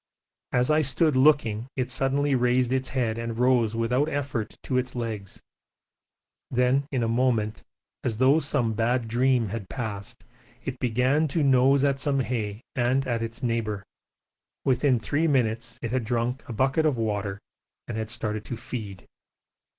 As I stood looking it suddenly raised its head and rose without effort to its legs; then in a moment, as though some bad dream had passed, it began to nose at some hay and at its neighbour. Within three minutes it had drunk a bucket of water and had started to feed.